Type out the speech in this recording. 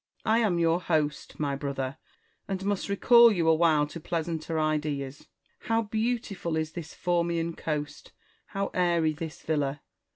Marcus. I am your host, my brother, and must recall you awhile to pleasanter ideas. How beautiful is this Formian coast ! how airy this villa